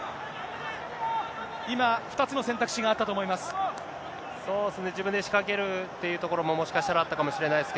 今、２つの選択肢があったと思います。